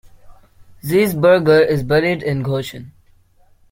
Zeisberger is buried in Goshen.